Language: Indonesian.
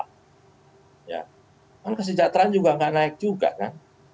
malah kesejahteraan juga nggak naik juga kan